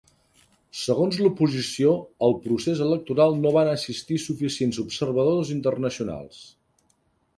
Segons l'oposició, al procés electoral no van assistir suficients observadors internacionals.